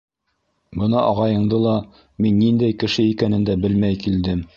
Бына ағайыңды ла мин ниндәй кеше икәнен дә белмәй килдем.